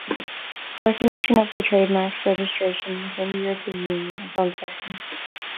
Recognition of the trademark's registration within the European Union is uncertain.